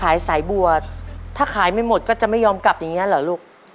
สายบัวถ้าขายไม่หมดก็จะไม่ยอมกลับอย่างเงี้เหรอลูก